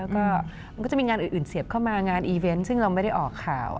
แล้วก็มันก็จะมีงานอื่นเสียบเข้ามางานอีเวนต์ซึ่งเราไม่ได้ออกข่าว